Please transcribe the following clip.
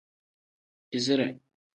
Izire.